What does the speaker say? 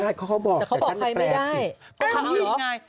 ใช่เขาบอกแต่เขาบอกอะไรไม่ได้